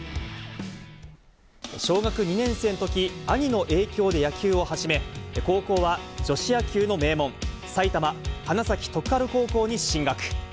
小学２年生のとき、兄の影響で野球を始め、高校は女子野球の名門、埼玉・花咲徳栄高校に進学。